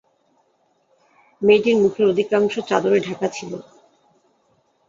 মেয়েটির মুখের অধিকাংশ চাদরে ঢাকা ছিল।